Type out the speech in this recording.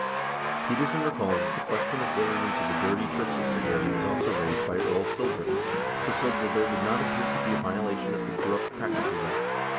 Petersen recalls that the question of going into the "dirty tricks" of Segretti was also raised by Earl Silbert, who said that there did not appear to be a violation of the Corrupt Practices Act.